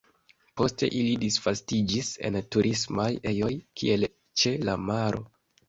Poste ili disvastiĝis en turismaj ejoj, kiel ĉe la maro.